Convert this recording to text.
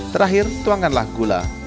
terakhir tuangkanlah gula